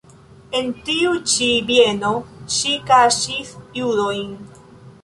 En tiu ĉi bieno ŝi kaŝis judojn.